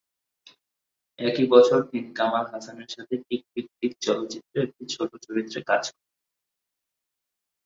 একই বছর তিনি কামাল হাসানের সাথে "টিক টিক টিক" চলচ্চিত্রে একটি ছোট চরিত্রে কাজ করেন।